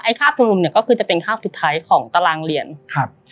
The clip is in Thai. ไอ้ฆาตฆมรมเนี่ยก็คือจะเป็นฆาตสุดท้ายของตารางเรียนค่ะ